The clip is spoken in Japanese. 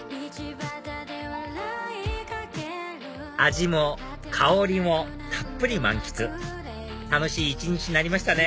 味も香りもたっぷり満喫楽しい一日になりましたね